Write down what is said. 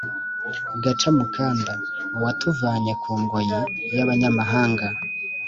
Gacamukanda: uwatuvanye ku ngoyi (y’abanyamahanga).